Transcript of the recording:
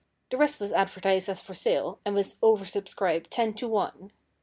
The rest was advertised as for sale, and was oversubscribed ten to one.